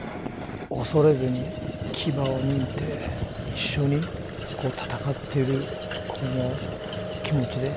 恐れずに牙をむいて一緒に戦ってるこの気持ちで。